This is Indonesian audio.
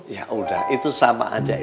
ya udah itu sama aja